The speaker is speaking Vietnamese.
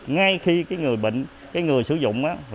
ngay khi người sử dụng